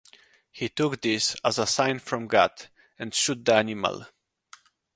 He took this as a sign from God, and shot the animal.